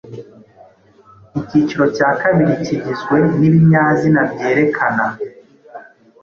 Ikiciro cya kabiri Kigizwe n’ibinyazina byerekana